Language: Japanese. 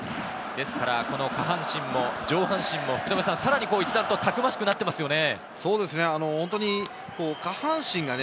ですから下半身も上半身もさらに一段とたくましくなっていますよね。